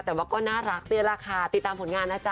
แต่ว่าก็น่ารักนี่แหละค่ะติดตามผลงานนะจ๊